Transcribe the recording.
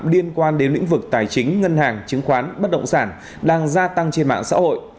liên quan đến lĩnh vực tài chính ngân hàng chứng khoán bất động sản đang gia tăng trên mạng xã hội